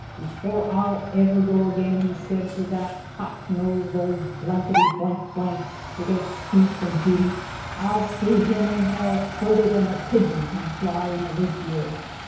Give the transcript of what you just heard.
"Before I'll ever go again," he said, "to that hawk nosed old blankety blank blank, to get excused from duty, I'll see him in hell further than a pigeon can fly in a leap year.